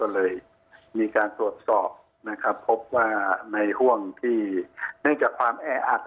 เลยมีการตรวจสอบภพในห้วงในในความแออับ